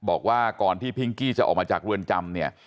บอกว่าก่อนที่พิงกี้จะออกมาจากเรือนจำเนี่ย